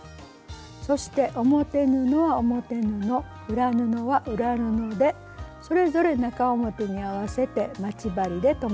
そして表布は表布裏布は裏布でそれぞれ中表に合わせて待ち針で留めます。